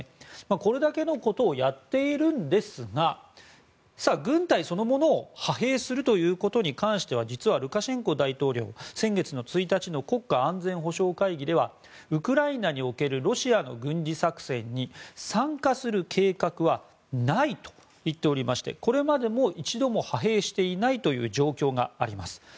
これだけのことをやっているんですが軍隊そのものを派兵するということに関しては実はルカシェンコ大統領は先月の国家安全保障会議ではウクライナにおけるロシアの軍事作戦に参加する計画はないと言っておりましてこれまでも一度も派兵していないという状況があります。